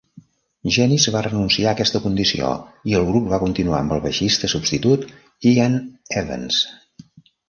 Jenness va renunciar a aquesta condició i el grup va continuar amb el baixista substitut Ean Evans.